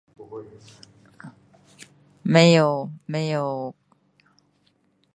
不知道不知道